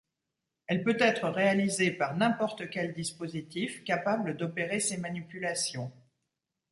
Elle peut être réalisée par n'importe quel dispositif capable d'opérer ces manipulations.